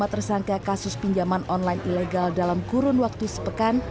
polri telah menangkap empat puluh lima tersangka kasus pinjaman online ilegal dalam kurun waktu sepekan